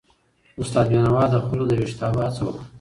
استاد بینوا د خلکو د ویښتابه هڅه وکړه.